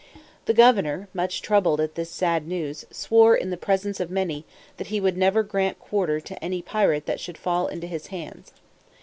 The governor, much troubled at this sad news, swore, in the presence of many, that he would never grant quarter to any pirate that should fall into his hands.